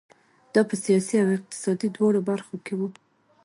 دا په سیاسي او اقتصادي دواړو برخو کې وو.